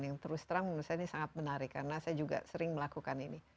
yang terus terang menurut saya ini sangat menarik karena saya juga sering melakukan ini